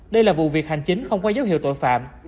đây là vụ việc hành chính không có dấu hiệu tội phạm